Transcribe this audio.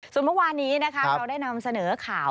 ส่วนเมื่อวานนี้นะคะเราได้นำเสนอข่าว